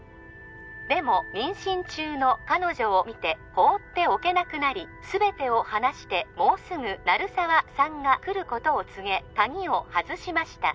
でも妊娠中の彼女を見て放っておけなくなり全てを話してもうすぐ鳴沢さんが来ることを告げ鍵を外しました